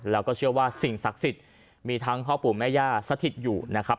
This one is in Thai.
แล้วก็เชื่อว่าสิ่งศักดิ์สิทธิ์มีทั้งพ่อปู่แม่ย่าสถิตอยู่นะครับ